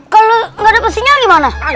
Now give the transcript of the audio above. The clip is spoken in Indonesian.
kalau gak dapet sinyal gimana